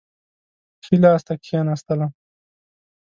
ښي لاس ته کښېنستلم.